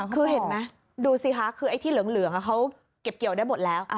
คือเห็นไหมดูสิคะคือไอ้ที่เหลืองเขาเก็บเกี่ยวได้หมดแล้ว